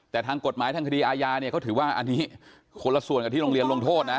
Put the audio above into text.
แต่ทางกฎหมายทางคดีอาญาเนี่ยเขาถือว่าอันนี้คนละส่วนกับที่โรงเรียนลงโทษนะ